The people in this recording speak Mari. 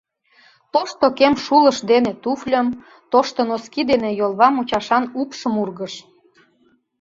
Тошто кем шулыш дене туфльым, тошто носки дене йолва мучашан упшым ургыш.